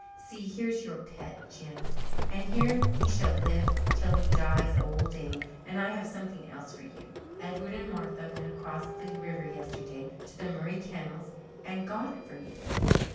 See, here's your pet, Jims, and here he shall live till he dies of old age. And I have something else for you Edward and Martha went across the river yesterday to the Murray Kennels and got it for you."